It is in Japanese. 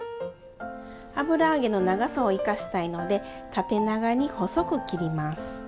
油揚げの長さを生かしたいので縦長に細く切ります。